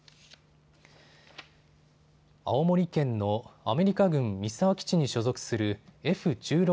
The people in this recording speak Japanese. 青森県のアメリカ軍三沢基地に所属するＦ１６